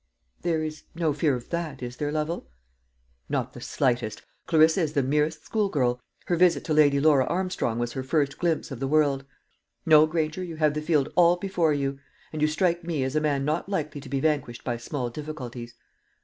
There is no fear of that, is there, Lovel?" "Not the slightest. Clarissa is the merest school girl. Her visit to Lady Laura Armstrong was her first glimpse of the world. No, Granger, you have the field all before you. And you strike me as a man not likely to be vanquished by small difficulties."